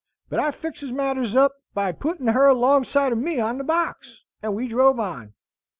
But I fixes matters up by putting her alongside o' me on the box, and we drove on.